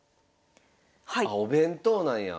あお弁当なんや。